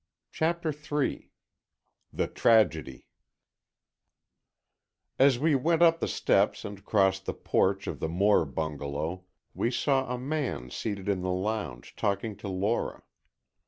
CHAPTER III THE TRAGEDY As we went up the steps and crossed the porch of the Moore bungalow, we saw a man seated in the lounge, talking to Lora.